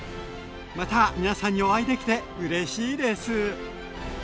また皆さんにお会いできてうれしいです。